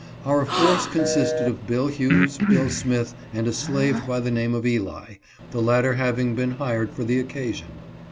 Our force consisted of Bill Hughes, Bill Smith, and ti slave by the name of Eli, the latter having been hired for the occasion.